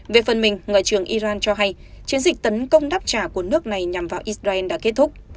về phần mình ngoại trưởng iran cho hay chiến dịch tấn công đáp trả của nước này nhằm vào israel đã kết thúc